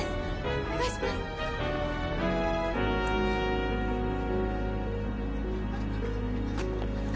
お願いします